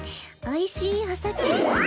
おいしいお酒。